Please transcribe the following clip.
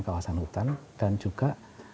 kawasan hutan dan juga